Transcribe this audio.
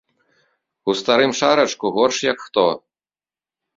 У старым шарачку, горш як хто.